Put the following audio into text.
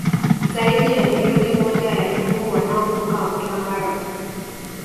Zaidi ya milioni moja ya nyumbu wanaovuka mto Mara